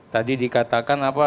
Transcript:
tadi dikatakan apa